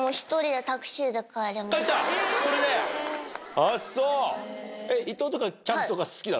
あっそう。